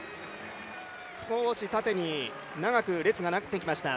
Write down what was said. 少し縦に長く列がなってきました。